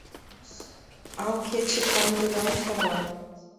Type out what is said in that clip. Ал кече кандырам тава.